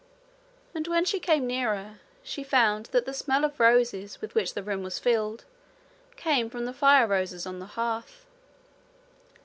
And when she came nearer, she found that the smell of roses with which the room was filled came from the fire roses on the hearth.